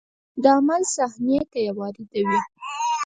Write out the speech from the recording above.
د عمل صحنې ته یې واردوي.